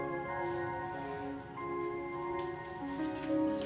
tapi mau bawa ke kamar sih